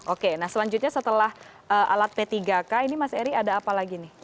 oke nah selanjutnya setelah alat p tiga k ini mas eri ada apa lagi nih